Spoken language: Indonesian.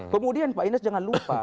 kemudian pak ines jangan lupa